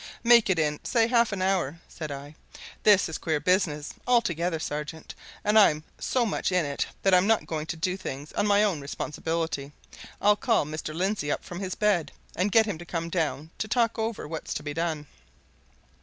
"Make it in, say, half an hour," said I. "This is a queer business altogether, sergeant, and I'm so much in it that I'm not going to do things on my own responsibility. I'll call Mr. Lindsey up from his bed, and get him to come down to talk over what's to be done."